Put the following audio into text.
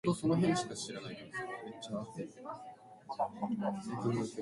This process tends to organize dislocations into subgrain boundaries.